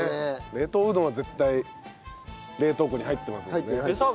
冷凍うどんは絶対冷凍庫に入ってますもんね。